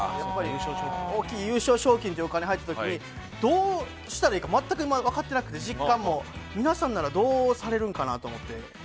大きい優勝賞金ってお金が入った時にどうしたらいいか全く分かってなくて実感も皆さんならどうされるのかなって。